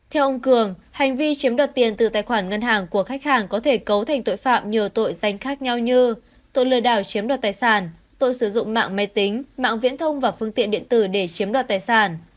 theo ông cường hành vi chiếm đoạt tiền từ tài khoản ngân hàng của khách hàng có thể cấu thành tội phạm nhiều tội danh khác nhau như tội lừa đảo chiếm đoạt tài sản tội sử dụng mạng máy tính mạng viễn thông và phương tiện điện tử để chiếm đoạt tài sản